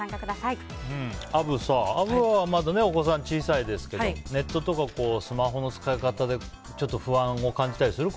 アブはまだお子さん小さいですけどネットとかスマホの使い方でちょっと不安を感じたりする？